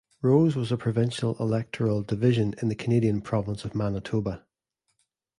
Rose was a provincial electoral division in the Canadian province of Manitoba.